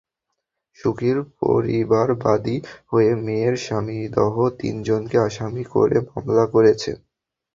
সুখীর পরিবার বাদী হয়ে মেয়ের স্বামীসহ তিনজনকে আসামি করে মামলা করেছে।